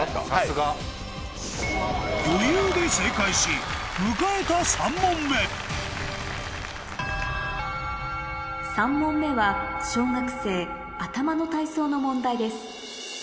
余裕で正解し迎えた３問目３問目は小学生の問題です